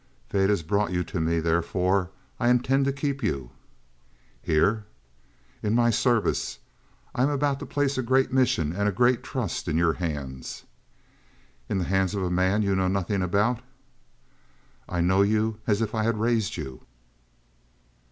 "Fate has brought you to me; therefore, I intend to keep you." "Here?" "In my service. I am about to place a great mission and a great trust in your hands." "In the hands of a man you know nothing about?" "I know you as if I had raised you."